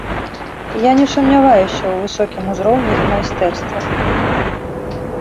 Я не сумняваюся ў высокім узроўні іх майстэрства.